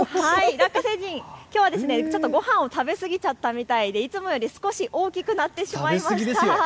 ラッカ星人、きょうはちょっとごはんを食べ過ぎちゃったみたいでいつもよりも少し大きくなってしまいました。